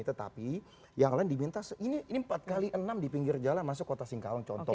tetapi yang lain diminta ini empat x enam di pinggir jalan masuk kota singkawang contoh